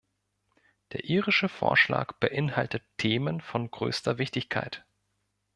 Der irische Vorschlag beinhaltet Themen von größter Wichtigkeit.